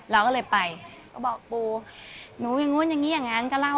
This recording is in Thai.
เราก็เลยไปก็บอกปูหนูอย่างนู้นอย่างนี้อย่างนั้นก็เล่า